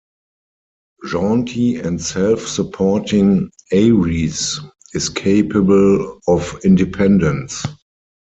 Jaunty and self-supporting, Aries is capable of independence.